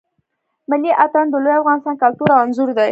ملی آتڼ د لوی افغانستان کلتور او آنځور دی.